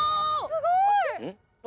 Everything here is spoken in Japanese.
・すごーい！